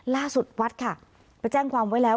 ล่าสุดวัดค่ะไปแจ้งความไว้แล้ว